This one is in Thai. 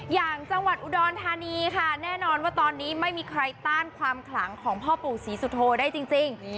อย่างจังหวัดอุดรธานีค่ะแน่นอนว่าตอนนี้ไม่มีใครต้านความขลังของพ่อปู่ศรีสุโธได้จริง